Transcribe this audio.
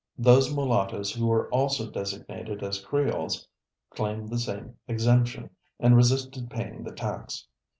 Those Mulattoes who were also designated as Creoles claimed the same exemption and resisted paying the tax.